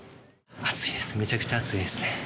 暑いです、めちゃくちゃ暑いですね。